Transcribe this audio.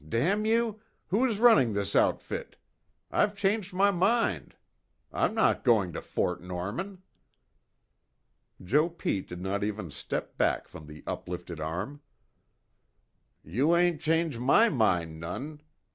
Damn you! Who is running this outfit? I've changed my mind. I'm not going to Fort Norman." Joe Pete did not even step back from the up lifted arm. "You ain' change my min' none.